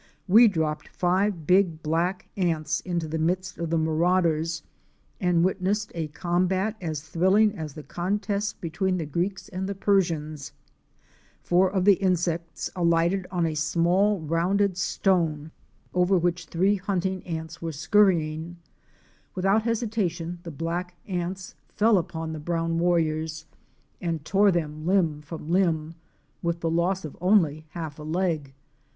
We dropped five big black ants into the midst of the marauders, and witnessed a combat as thrilling as the con test between the Greeks and Persians. Four of the insects alighted on a small rounded stone over which three hunting THE LAKE OF PITCH. 53 ants were scurrying. Without hesitation the black giants fell upon the brown warriors and tore them limb from limb, with the loss of only half aleg.